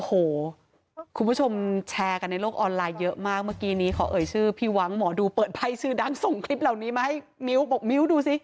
โอ้โหคุณผู้ชมแชร์กันในโลกออนไลน์เยอะมากเมื่อกี้นี้เขาเอ่ยชื่อพี่หวังหมอดูเปิดไพ่ชื่อดังส่งคลิปเหล่านี้มาให้มิ้วบอกมิ้วดูสิ